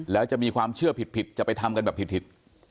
แล้วจะมีความเชื่อผิดจะไปทำกันแบบผิด